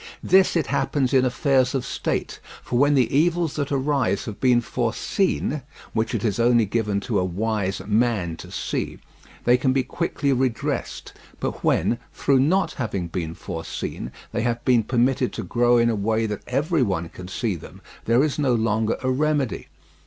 Thus it happens in affairs of state, for when the evils that arise have been foreseen (which it is only given to a wise man to see), they can be quickly redressed, but when, through not having been foreseen, they have been permitted to grow in a way that every one can see them, there is no longer a remedy.